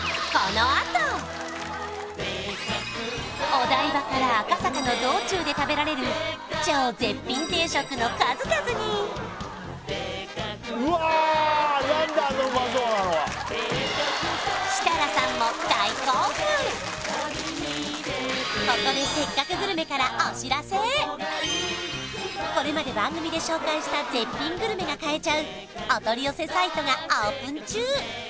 お台場から赤坂の道中で食べられる超絶品定食の数々にここでこれまで番組で紹介した絶品グルメが買えちゃうお取り寄せサイトがオープン中